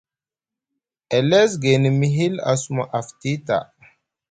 Eles gayni mihill a suma afti ta.